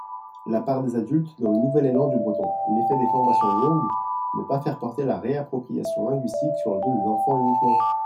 La part des adultes dans le nouvel élan du breton (l'effet des formations longues, ne pas faire porter la réappropriation linguistique sur le dos des enfants uniquement...).